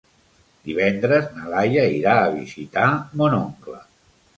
Divendres na Laia irà a visitar mon oncle.